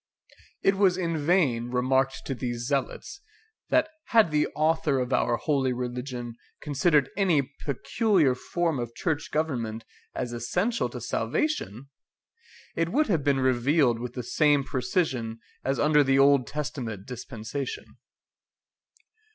It was in vain remarked to these zealots, that had the Author of our holy religion considered any peculiar form of church government as essential to salvation, it would have been revealed with the same precision as under the Old Testament dispensation.